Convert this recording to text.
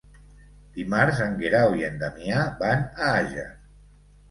Dimarts en Guerau i en Damià van a Àger.